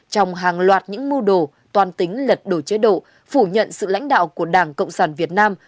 trong hàng loạt những mưu đồ toan tính lật đổ chế độ phủ nhận sự lãnh đạo của đảng cộng sản việt nam